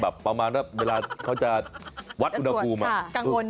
แบบประมาณว่าเวลาเขาจะวัดอุณห